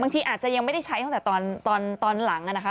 บางทีอาจจะยังไม่ได้ใช้ตอนหลังนะคะ